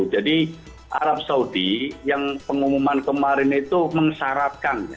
jadi arab saudi yang pengumuman kemarin itu mengesaratkan